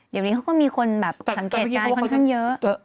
เดี๋ยวนี้เขาก็มีคนแบบสังเกตการณ์ค่อนข้างเยอะ